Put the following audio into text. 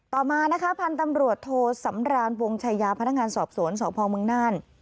ต่อมานะคะพันธุ์ตำรวจโทสำรานวงชายาพนักงานสอบสวนสพเมืองน่าน